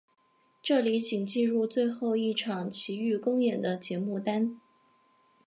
这里仅记录最后一场琦玉公演的节目单。